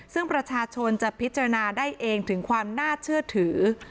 ซึ่งประชาชนจะพิจารณาได้เองถึงความน่าเชื่อถือ